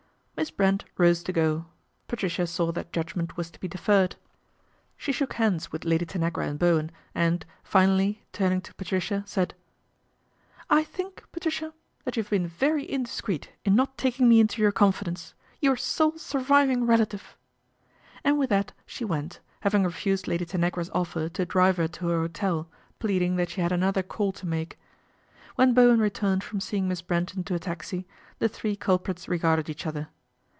iss Brent rose to go. Patricia saw that judg :nt was to DC deferred. She shook hands with 130 PATRICIA BRENT, SPINSTER Lady Tanagra and Bowen and, finally, turning to Patricia said :" I think, Patricia, that you have been very indiscreet in not taking me into your confidence, your sole surviving relative," and with that she went, having refused Lady Tanagra's offer to drive her to her hotel, pleading that she had another call to make. When Bowen returned from seeing Miss Brent into a taxi, the three culprits regarded each other.